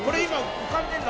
浮かんでるの。